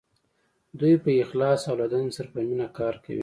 دوی په اخلاص او له دندې سره په مینه کار کوي.